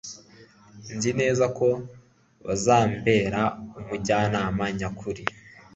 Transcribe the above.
nzi neza ko buzambera umujyanama nyakuri